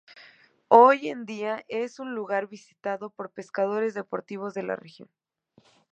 Hoy en día es un lugar visitado por pescadores deportivos de la región.